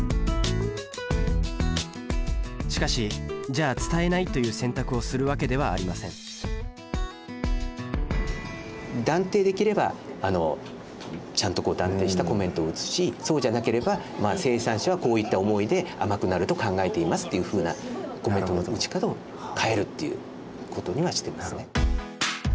しかしじゃあ伝えないという選択をするわけではありません断定できればちゃんと断定したコメントを打つしそうじゃなければ生産者はこういった思いで甘くなると考えていますというふうなコメントの打ち方を変えるっていうことにはしてますね。